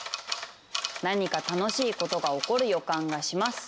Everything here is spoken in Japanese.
「何か楽しいことが起こる予感がします。